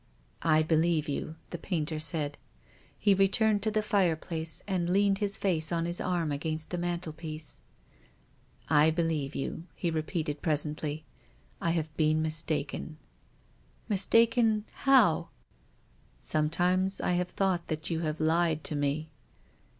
" I believe you," the painter said. He returned to the fireplace, and leaned his face on his arm against the mantelpiece. " I believe you," he repeated presently. " I have been mistaken." " Mistaken — how ?"" Sometimes I have thought that you have lied to me."